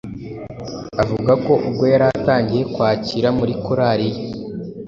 Avuga ko ubwo yari atangiye kwakira muri korali ye